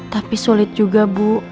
tapi sulit juga bu